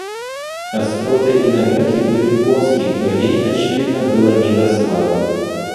Остроты и намеки были плоски, но ей, очевидно, было не до славы.